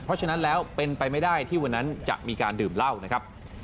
เพราะฉะนั้นแล้วเป็นไปไม่ได้ที่วันนั้นจะมีการดื่มเหล้านะครับ